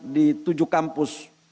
di tujuh kampus